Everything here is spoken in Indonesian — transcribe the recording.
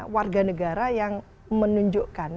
warga negara yang menunjukkan